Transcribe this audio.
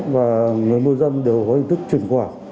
và người môi dâm đều có hình thức truyền quả